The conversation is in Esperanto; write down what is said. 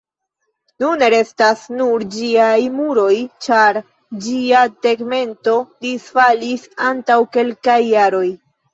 Nune restas nur ĝiaj muroj, ĉar ĝia tegmento disfalis antaŭ kelkaj jaroj.